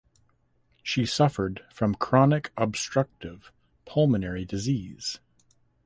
She suffered from chronic obstructive pulmonary disease.